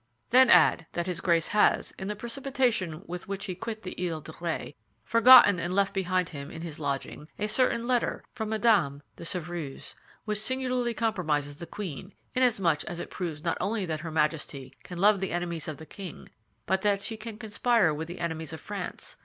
"Then add that his Grace has, in the precipitation with which he quit the Isle of Ré, forgotten and left behind him in his lodging a certain letter from Madame de Chevreuse which singularly compromises the queen, inasmuch as it proves not only that her Majesty can love the enemies of the king but that she can conspire with the enemies of France.